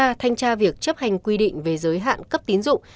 và thanh tra việc chấp hành quy định về giới hạn cấp tín dụng